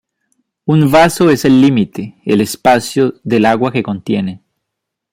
Un vaso es el límite, el espacio, del agua que contiene.